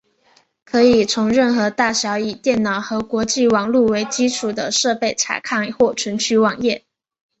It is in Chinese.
可以从任何大小以电脑和网际网路为基础的设备查看或存取网页。